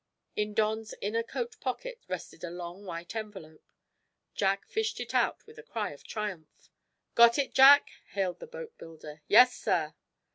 In Don's inner coat pocket rested a long, white envelope. Jack fished it out with a cry of triumph. "Got it, Jack?" hailed the boatbuilder. "Yes, sir."